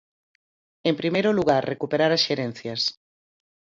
En primeiro lugar, recuperar as xerencias.